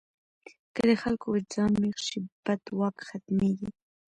که د خلکو وجدان ویښ شي، بد واک ختمېږي.